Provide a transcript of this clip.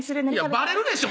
バレるでしょ